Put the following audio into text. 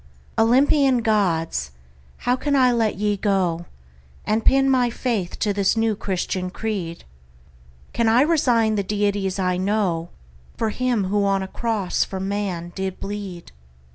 Olympian Gods! how can I let ye go And pin my faith to this new Christian creed? Can I resign the deities I know For him who on a cross for man did bleed?